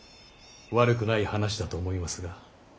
悪くない話だと思いますが。